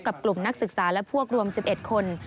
กลุ่มนักศึกษาและพวกรวม๑๑คน